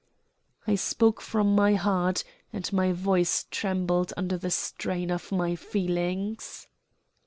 I spoke from my heart, and my voice trembled under the strain of my feelings.